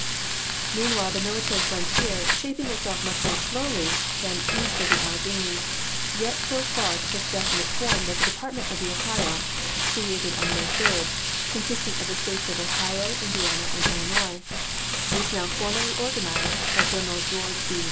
Meanwhile the military frontier, shaping itself much more slowly than east of the AUeghanies, yet so far took definite form that the Department of the Ohio (created on May 3), consisting of the States of Ohio, Indiana, and Illinois, was now form THE OHIO LINE 201 ally organized by Greneral George B.